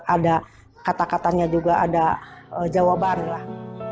ada kata katanya juga ada jawaban lah